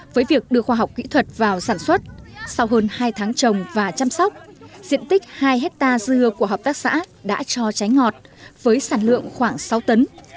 với việc đưa khoa học kỹ thuật vào sản xuất sau hơn hai tháng trồng và chăm sóc diện tích hai hectare dưa của hợp tác xã đã cho trái ngọt với sản lượng khoảng sáu tấn